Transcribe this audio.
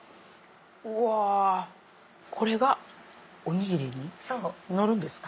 うわこれがおにぎりにのるんですか？